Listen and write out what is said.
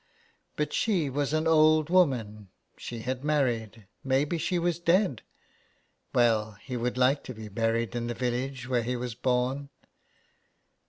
But she was an old woman, she had married, maybe she was dead. Well, he would like to be buried in the village where he was born.